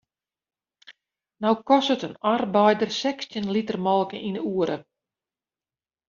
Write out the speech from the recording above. No kostet in arbeider sechstjin liter molke yn de oere.